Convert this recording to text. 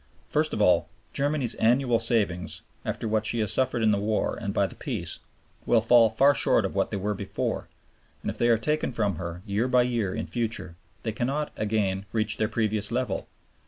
First of all, Germany's annual savings, after what she has suffered in the war and by the Peace, will fall far short of what they were before, and, if they are taken from her year by year in future, they cannot again reach their previous level.